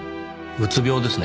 うつ病ですね。